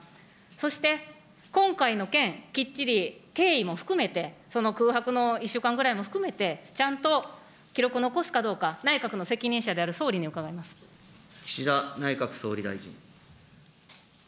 そして、今回の件、きっちり、経緯も含めて、その空白の１週間ぐらいも含めて、ちゃんと記録残すかどうか、内閣の責任者である総岸田内閣総理大臣。